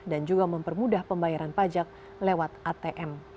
dan juga mempermudah pembayaran pajak lewat atm